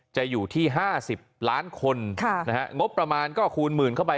จะอยู่ที่๕๐ล้านคนงบประมาณก็คูณหมื่นเข้าไป